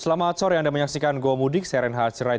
selamat sore anda menyaksikan goa mudik saya renha acerait